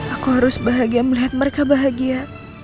aku harus bahagia melihat mereka bahagia